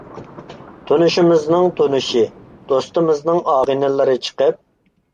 تونۇشىمىزنىڭ تونۇشى، دوستىمىزنىڭ ئاغىنىلىرى چىقىپ،